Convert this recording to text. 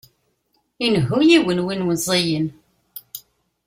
Inehhu yiwen win meẓẓiyen.